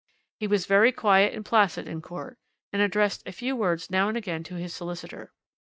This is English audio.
He was very quiet and placid in court, and addressed a few words now and again to his solicitor.